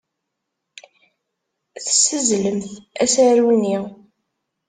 Tessazzlemt asaru-nni.